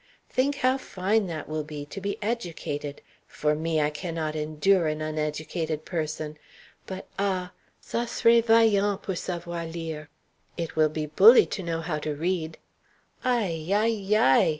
Think how fine that will be to be educated! For me, I cannot endure an uneducated person. But ah! ca sré vaillant, pour savoir lire. [It will be bully to know how to read.] _Aie ya yaie!